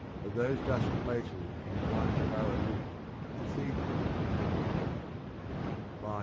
Of those dusk places in times far aloof Cathedrals call'd. (II.